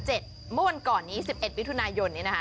เมื่อวันก่อนนี้๑๑มิถุนายน